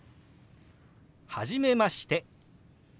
「初めまして。